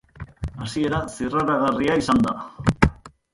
Hasiera zirraragarria izan da.